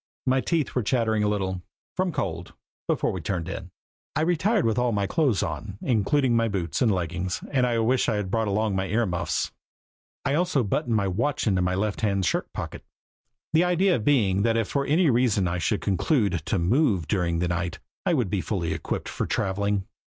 My teeth were chattering a little from cold before we turned in. I retired with all my clothes on, including my boots and leggings, and I wished I had brought along my ear muffs. I also buttoned my watch into my lefthand shirt pocket, the idea being if for any reason I should conclude to move during the night I would be fully equipped for traveling.